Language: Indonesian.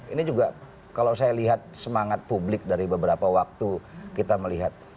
ini juga kalau saya lihat semangat publik dari beberapa waktu kita melihat